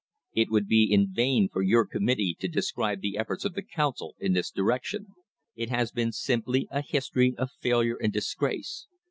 It would be in vain for your committee to describe the efforts of the Council in this direc tion. It has been simply a history of failure and disgrace.